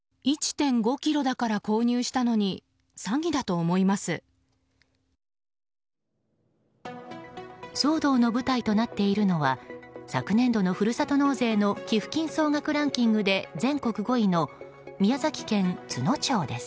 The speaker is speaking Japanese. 騒動の舞台となっているのは昨年度のふるさと納税の寄付金総額ランキングで全国５位の宮崎県都農町です。